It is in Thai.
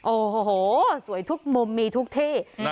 โอ้โหสวยทุกมุมมีทุกที่